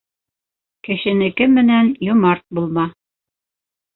Кешенеке менән йомарт булма.